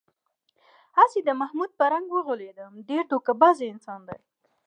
هسې د محمود په رنگ و غولېدم، ډېر دوکه باز انسان دی.